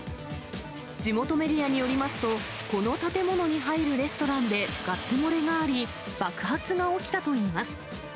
地元メディアによりますと、この建物に入るレストランでガス漏れがあり、爆発が起きたといいます。